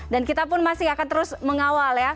dan kita pun masih akan terus mengawal ya